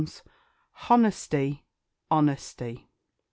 Honesty, 'Onesty.